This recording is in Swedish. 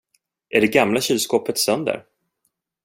Är det gamla kylskåpet sönder?